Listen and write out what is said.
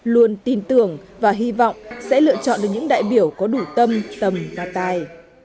luôn tin tưởng và hy vọng sẽ lựa chọn được những đại biểu có đủ tâm tầm và tài